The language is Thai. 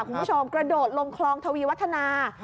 คุณผู้ชมกระโดดลงคลองทวีวัฒนา